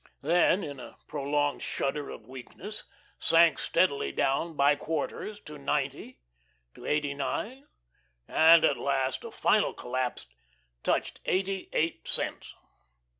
Then, in a prolonged shudder of weakness, sank steadily down by quarters to ninety, to eighty nine, and at last a final collapse touched eighty eight cents.